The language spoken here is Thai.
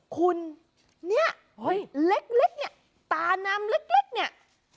คุณเนี่ยเล็กเนี่ยตาน้ำเล็กเนี่ย